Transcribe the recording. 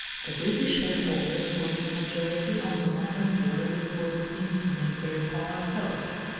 The British shareholders were in a majority on the London Board and were beginning to make their power felt.